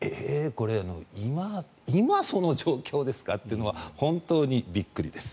これ、今その状況ですか？というのは本当にびっくりです。